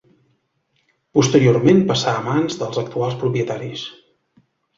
Posteriorment passà a mans dels actuals propietaris.